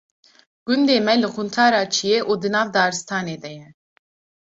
Gundê me li quntara çiyê û di nav daristanê de ye.